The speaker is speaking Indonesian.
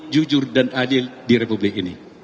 jujur dan adil di republik ini